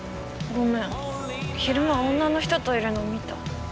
昼間女の人といるの見た。